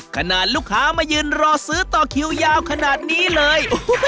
ขนาดลูกค้ามายืนรอซื้อต่อคิวยาวขนาดนี้เลย